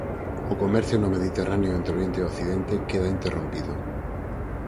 O comercio no Mediterráneo entre oriente e occidente queda interrompido.